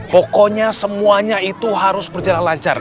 pokoknya semuanya itu harus berjalan lancar